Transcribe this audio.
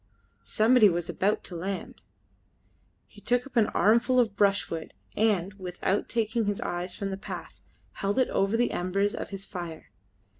Somebody was about to land! He took up an armful of brushwood, and, without taking his eyes from the path, held it over the embers of his fire.